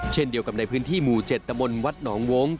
เช่นเดียวกับในพื้นที่หมู่๗ตะบนวัดหนองวง